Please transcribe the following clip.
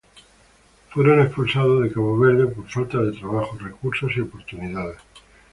Ellos fueron expulsados de Cabo Verde por falta de trabajo, recursos y oportunidades.